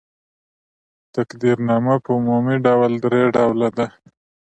تقدیرنامه په عمومي ډول درې ډوله ده.